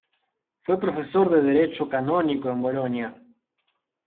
Fue profesor de derecho canónico en Bolonia.